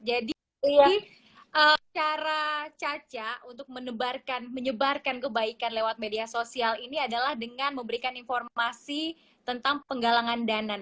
jadi cara caca untuk menyebarkan kebaikan lewat media sosial ini adalah dengan memberikan informasi tentang penggalangan dana